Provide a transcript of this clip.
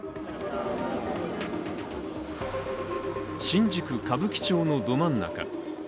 新宿・歌舞伎町のど真ん中。